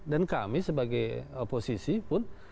dan kami sebagai posisi pun